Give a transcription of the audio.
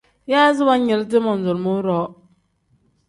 Yaazi wanyiridi manzulumuu-ro.